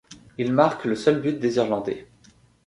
Il marque le seul but des irlandais.